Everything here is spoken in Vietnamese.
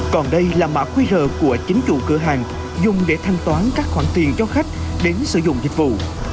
còn đây là mã qr của chính chủ cửa hàng dùng để thanh toán các khoản tiền cho khách đến sử dụng dịch vụ